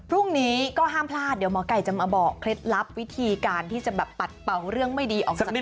พรุ่งนี้ก็ห้ามพลาดเดี๋ยวหมอไก่จะมาบอกเคล็ดลับวิธีการที่จะแบบปัดเป่าเรื่องไม่ดีออกจากบ้าน